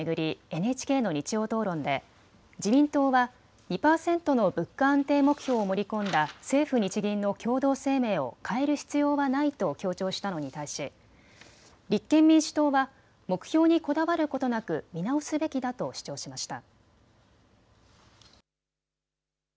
ＮＨＫの日曜討論で自民党は２％の物価安定目標を盛り込んだ政府・日銀の共同声明を変える必要はないと強調したのに対し、立憲民主党は目標にこだわることなく見直すべきだと主張しました。